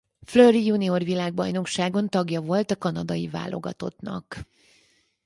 Fleury junior világbajnokságon tagja volt a kanadai válogatottnak.